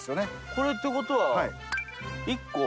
これって事は１個。